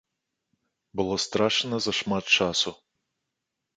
Было страчана зашмат часу.